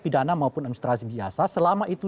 pidana maupun administrasi biasa selama itu